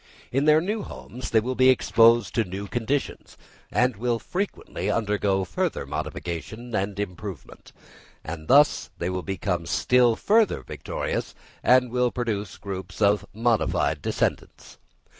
In their new homes they will be exposed to new conditions, and will frequently undergo further modification and improvement; and thus they will become still further victorious, and will produce groups of modified descendants.